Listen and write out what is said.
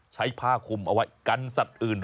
ใช้ผ้าคุมเอาไว้กันสัตว์อื่น